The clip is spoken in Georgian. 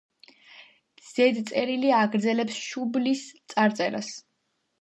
ზედწერილი აგრძელებს შუბლის წარწერას.